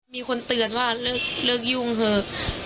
มีคนเตือนว่าเลิกยุ่งคือ